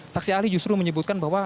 saksi ahli justru menyebutkan bahwa